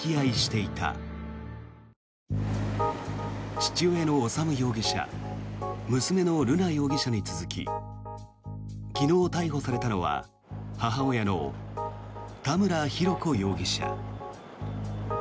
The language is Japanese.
父親の修容疑者娘の瑠奈容疑者に続き昨日逮捕されたのは母親の田村浩子容疑者。